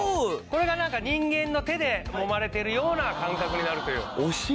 これがなんか人間の手でもまれているような感覚になるという。